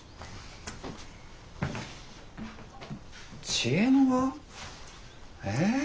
知恵の輪？え？